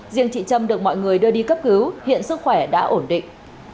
riêng chị trâm được mọi người đưa đi cấp cứu hiện sức khỏe đã ổn định